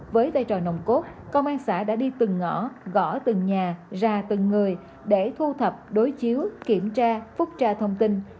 với vai trò nồng cốt công an xã đã đi từng ngõ gõ từng nhà ra từng người để thu thập đối chiếu kiểm tra phúc tra thông tin